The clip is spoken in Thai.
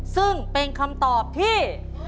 ซึ่งเป็นคำตอบที่